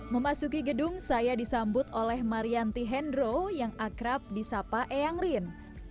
memasuki gedung saya disambut oleh marianti hendro yang akrab di sapa eyanglin